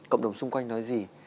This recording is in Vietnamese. cộng đồng xung quanh nói gì